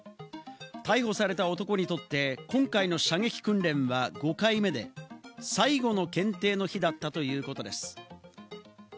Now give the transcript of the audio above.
逮捕された男にとって、今回の射撃訓練は５回目で、最後の検定の日だったということです。